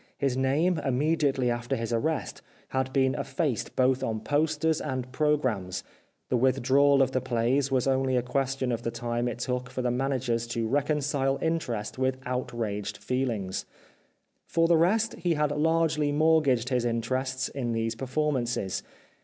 His name, immediately after his arrest, had been effaced both on posters and pro grammes ; the withdrawal of the plays was only a question of the time it took for the managers to reconcile interest with outraged feelings. For the rest, he had largely mortgaged his interests in these performances.